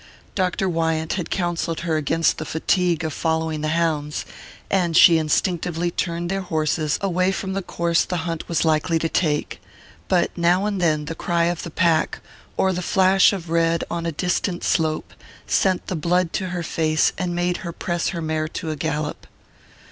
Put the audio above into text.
Dr. Wyant had counselled her against the fatigue of following the hounds, and she instinctively turned their horses away from the course the hunt was likely to take; but now and then the cry of the pack, or the flash of red on a distant slope, sent the blood to her face and made her press her mare to a gallop.